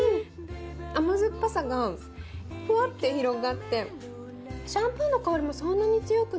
甘酸っぱさがふわって広がってシャンパンの香りもそんなに強くない。